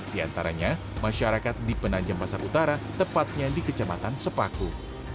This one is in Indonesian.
di antaranya masyarakat di penajam pasar utara tepatnya di kecamatan sepaku